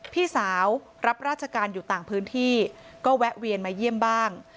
พี่สาวรับราชการอยู่ต่างพื้นที่ก็แวะเวียนมาเยี่ยมบ้าง